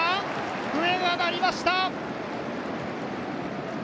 笛が鳴りました。